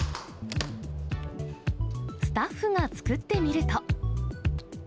スタッフが作ってみると。